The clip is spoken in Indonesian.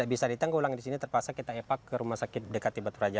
bisa ditanggulang di sini terpaksa kita epak ke rumah sakit dekat di baturaja